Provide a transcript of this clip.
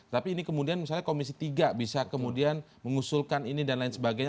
tapi ini kemudian misalnya komisi tiga bisa kemudian mengusulkan ini dan lain sebagainya